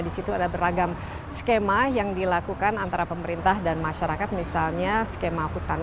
di situ ada beragam skema yang dilakukan antara pemerintah dan masyarakat misalnya skema hutan